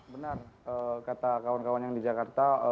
benar kata kawan kawan yang di jakarta